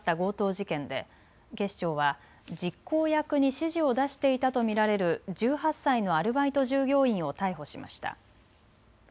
事件で警視庁は実行役に指示を出していたと見られる１８歳のアルバイト従業員を逮捕しました。